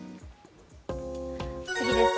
次です。